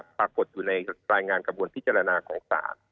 ปรากฏอยู่ในรายงานกระบวนพิจารณาของศาล